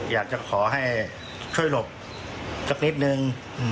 อยากจะขอให้ช่วยหลบสักนิดนึง